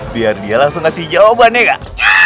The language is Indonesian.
biar dia langsung ngasih jawabannya kak